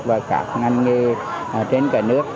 và các ngành nghề trên cả nước